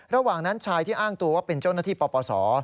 ระหว่างนั้นชายที่อ้างตัวว่าเป็นเจ้าหน้าที่ปปศ